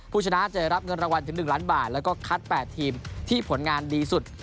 ผู้ชนะจะรับเงินรางวัลถึง๑ล้านบาทแล้วก็คัด๘ทีมที่ผลงานดีสุด